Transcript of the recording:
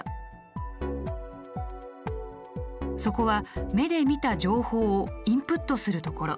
そこは目で見た情報をインプットするところ。